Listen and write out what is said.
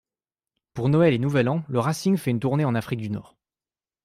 Pour Noël et Nouvel An, le Racing fait une tournée en Afrique du Nord.